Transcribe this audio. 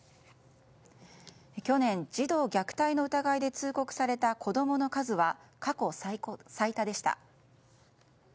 去年、児童虐待の疑いで通告された子供の数は過去最多でした。